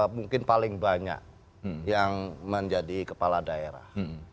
mungkin paling banyak yang menjadi kepala daerah